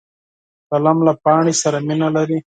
قلم له پاڼې سره مینه لري